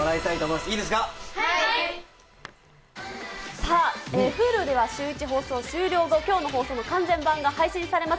さあ、ｈｕｌｕではシューイチ放送終了後、きょうの放送の完全版が配信されます。